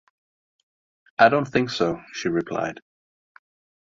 “I don’t think so,” she replied.